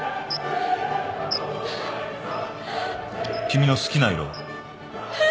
君の好きな色は？